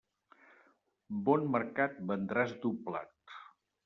Bon mercat vendràs doblat.